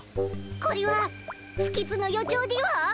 こりは不吉の予兆でぃは？